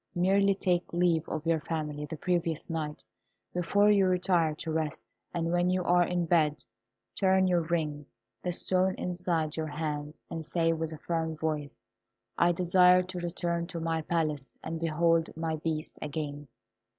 Merely take leave of your family the previous night before you retire to rest, and when you are in bed turn your ring, the stone inside your hand, and say, with a firm voice, 'I desire to return to my palace, and behold my Beast again.'